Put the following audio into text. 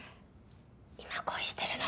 今恋してるの。